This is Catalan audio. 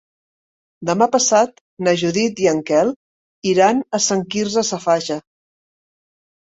Demà passat na Judit i en Quel iran a Sant Quirze Safaja.